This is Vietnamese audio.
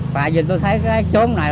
tại vì tôi thấy cái chốt này